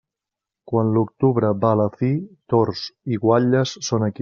Quan l'octubre va a la fi, tords i guatlles són aquí.